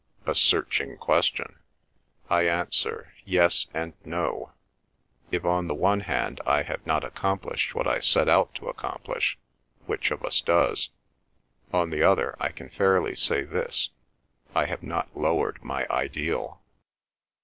"A searching question! I answer—Yes and No. If on the one hand I have not accomplished what I set out to accomplish—which of us does!—on the other I can fairly say this: I have not lowered my ideal."